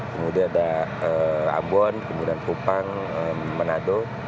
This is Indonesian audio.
kemudian ada ambon kemudian kupang manado